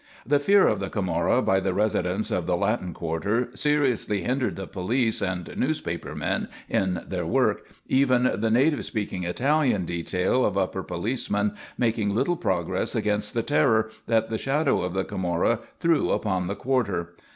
The fear of the Camorra by the residents of the Latin quarter seriously hindered the police and newspaper men in their work, even the native speaking Italian detail of upper officemen making little progress against the terror that the shadow of the Camorra threw upon the quarter.